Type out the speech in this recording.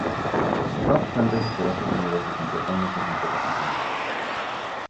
No obstante, superó sus miedos y completó muchas novelas y guiones.